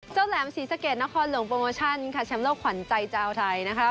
แหลมศรีสะเกดนครหลวงโปรโมชั่นค่ะแชมป์โลกขวัญใจชาวไทยนะคะ